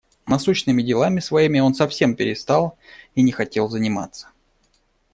Насущными делами своими он совсем перестал и не хотел заниматься.